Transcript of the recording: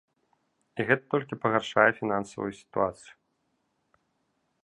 І гэта толькі пагаршае фінансавую сітуацыю.